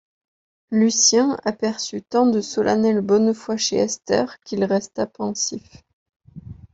Lucien aperçut tant de solennelle bonne foi chez Esther qu’il resta pensif.